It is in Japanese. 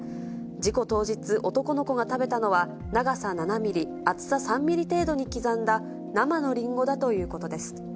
事故当日、男の子が食べたのは、長さ７ミリ、厚さ３ミリ程度に刻んだ生のりんごだということです。